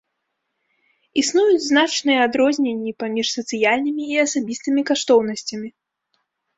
Існуюць значныя адрозненні паміж сацыяльнымі і асабістымі каштоўнасцямі.